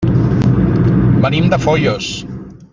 Venim de Foios.